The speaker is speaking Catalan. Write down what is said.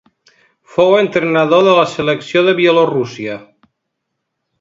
Fou entrenador de la selecció de Bielorússia.